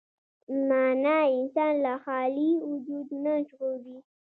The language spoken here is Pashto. معنی انسان له خالي وجود نه ژغوري.